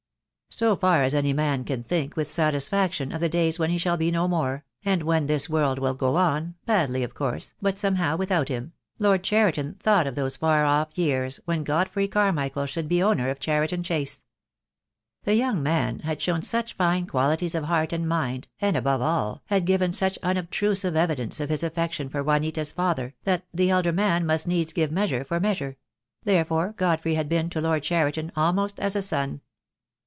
So far as any man can think with satisfaction of the days when he shall be no more — and when this world will go on, badly, of course, but some how, without him — Lord Cheriton thought of those far off years when Godfrey Carmichael should be owner of Cheriton Chase. The young man had shown such fine qualities of heart and mind, and, above all, had given such unobtrusive evidence of his affection for Juanita's father, that the elder man must needs give measure for measure; therefore Godfrey had been to Lord Cheriton almost as a son.